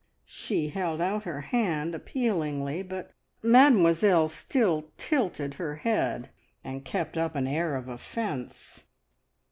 She held out her hand appealingly, but Mademoiselle still tilted her head, and kept up an air of offence.